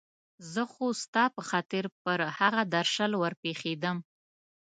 زه خو ستا په خاطر پر هغه درشل ور پېښېدم.